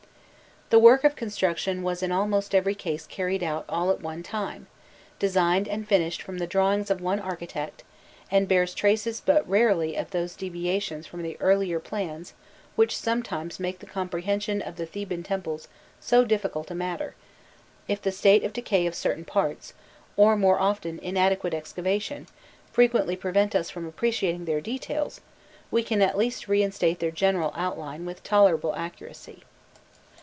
The work of construction was in almost every case carried out all at one time, designed and finished from the drawings of one architect, and bears traces but rarely of those deviations from the earlier plans which sometimes make the comprehension of the Theban temples so difficult a matter: if the state of decay of certain parts, or more often inadequate excavation, frequently prevent us from appreciating their details, we can at least reinstate their general outline with tolerable accuracy.